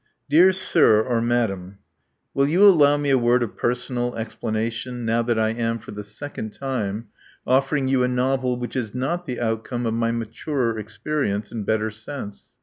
Dear Sir or Madam: Will you allow me a word of personal explanation now that I am, for the second time, oflEering you a novel which is not the outcome of my maturer experi ence and better sense?